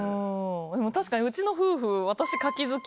確かにうちの夫婦。